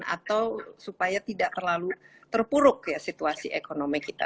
atau supaya tidak terlalu terpuruk ya situasi ekonomi kita